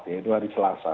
itu hari selasa